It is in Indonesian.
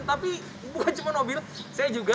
tapi bukan cuma mobil saya juga